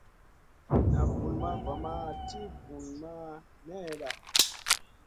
Naʼ vulmaʼ va ma ti vunmaʼ nèhda.